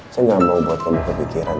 saya gak mau buat kamu kepikiran